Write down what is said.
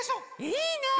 いいね！